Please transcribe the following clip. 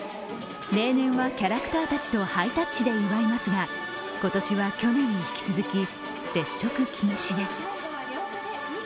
例年はキャラクターたちとハイタッチで祝いますが今年は去年に引き続き、接触禁止です。